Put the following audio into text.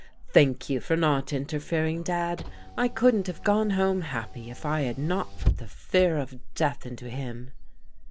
"Thank you for not interfering, Dad. I couldn't have gone home happy if I had not put the fear of death into him."